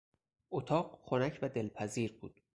اتاق خنک و دلپذیر بود.